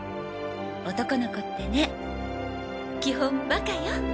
男の子ってね基本バカよ。